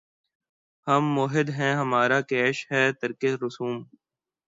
ہم موّحد ہیں‘ ہمارا کیش ہے ترکِ رسوم